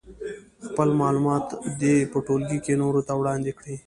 خپل معلومات دې په ټولګي کې نورو ته وړاندې کړي.